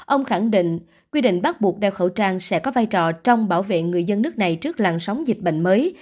ông khẳng định quy định bắt buộc đeo khẩu trang sẽ có vai trò trong bảo vệ người dân nước này trước làn sóng dịch bệnh mới